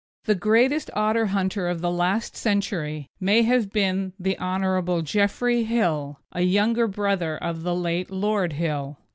The greatest otter hunter of the last century may have been the Hon. Geoffrey Hill, a younger brother of the late Lord Hill.